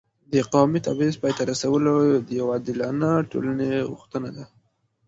د قومي تبعیض پای ته رسول د یو عادلانه ټولنې غوښتنه ده.